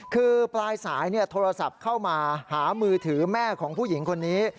คือปลายสายโทรศัพท์เข้ามาหามือถือแม่ของผู้หญิงคนนี้